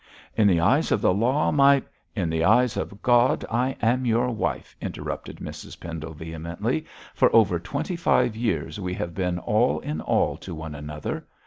'In the eyes of the law, my ' 'In the eyes of God I am your wife,' interrupted Mrs Pendle, vehemently; 'for over twenty five years we have been all in all to one another.